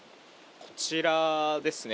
こちらですね。